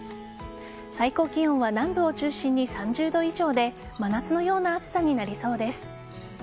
最高気温は南部を中心に３０度以上で真夏のような暑さになりそうです。